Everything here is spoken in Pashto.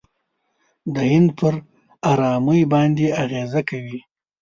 د هند پر آرامۍ باندې اغېزه کوي.